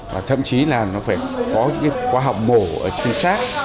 và thậm chí là nó phải có khoa học mổ chính xác